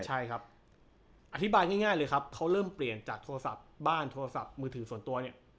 ใช่ครับอธิบายง่ายเลยครับเขาเริ่มเปลี่ยนจากโทรศัพท์บ้านโทรศัพท์มือถือส่วนตัวเนี่ย